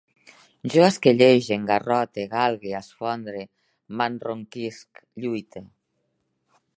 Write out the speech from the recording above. Jo esquellege, engarrote, galgue, esfondre, m'enronquisc, lluite